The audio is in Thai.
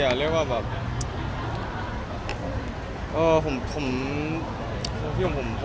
ผมไม่รู้ว่าจะเอาไง